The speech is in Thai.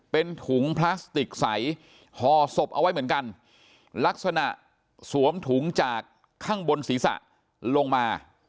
เป็นถุงพลาสติกใสห่อศพเอาไว้เหมือนกันลักษณะสวมถุงจากข้างบนศีรษะลงมา